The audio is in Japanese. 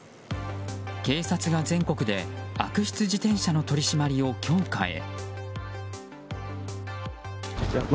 警察が全国で悪質自転車の取り締まりを強化へ。